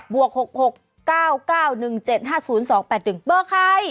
วก๖๖๙๙๑๗๕๐๒๘๑เบอร์ใคร